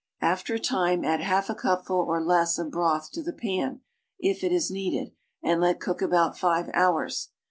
After a lime add halt a cupful or less of broth to the pan, if it is needed, and let cook about five hours.